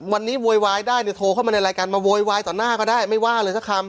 วันนี้โวยวายได้เนี่ยโทรเข้ามาในรายการมาโวยวายต่อหน้าก็ได้ไม่ว่าเลยสักคำ